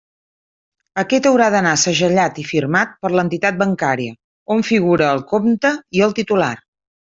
Aquest haurà d'anar segellat i firmat per l'entitat bancària, on figure el compte i el titular.